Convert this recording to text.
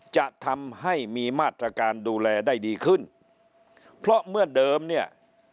จะทำให้มีมาตรการดูแลได้ดีขึ้นเพราะเมื่อเดิมเนี่ย